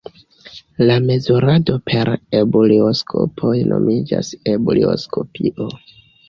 La mezurado per ebulioskopoj nomiĝas ebulioskopio.